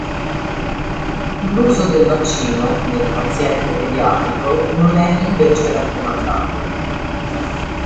L'uso del vaccino nel paziente pediatrico non è invece raccomandato.